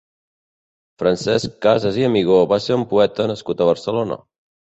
Francesc Casas i Amigó va ser un poeta nascut a Barcelona.